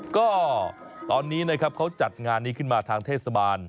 ก็ตอนนี้นะครับเขาจัดงานนี้ขึ้นมาทางเทศบาล